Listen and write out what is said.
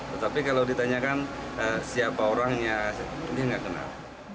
tetapi kalau ditanyakan siapa orangnya dia nggak kenal